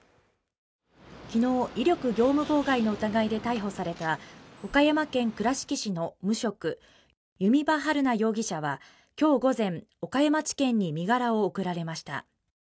昨日、威力業務妨害の疑いで逮捕された岡山県倉敷市の無職弓場晴菜容疑者は今日午前、岡山地検に身柄を送られました。